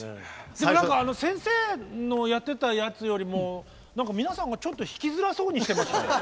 何かあの先生のやってたやつよりも皆さんがちょっと弾きづらそうにしてましたよ。